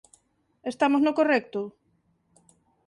Estamos no correcto...?